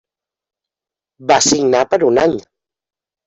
Va signar per un any.